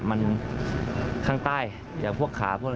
มันทางใต้อย่างขา